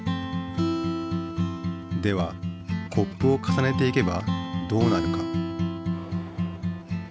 ではコップを重ねていけばどうなるか？